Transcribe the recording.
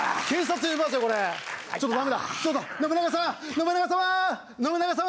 信長様！